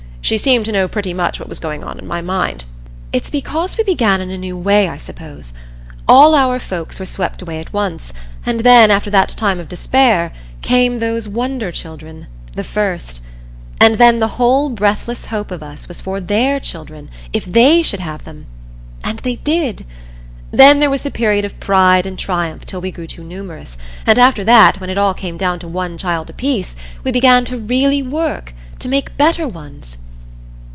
She seemed to know pretty much what was going on in my mind. "It's because we began in a new way, I suppose. All our folks were swept away at once, and then, after that time of despair, came those wonder children the first. And then the whole breathless hope of us was for their children if they should have them. And they did! Then there was the period of pride and triumph till we grew too numerous; and after that, when it all came down to one child apiece, we began to really work to make better ones."